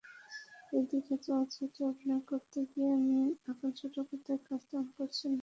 এদিকে চলচ্চিত্রে অভিনয় করতে গিয়ে মিম এখন ছোট পর্দার কাজ তেমন করছেন না।